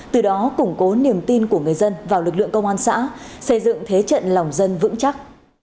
từ đó củng cố niềm tin của người dân vào lực lượng công an xã xây dựng thế trận lòng dân vững chắc